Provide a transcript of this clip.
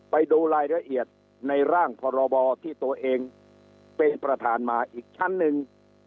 ไปดูรายละเอียดในร่างพรบที่ตัวเองเป็นประธานมาอีกชั้นหนึ่ง